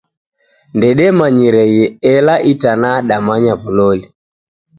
Ndedemanyireghe, ela itanaha damanya w'uloli.